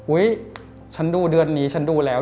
ฉันดูเดือนนี้ฉันดูแล้ว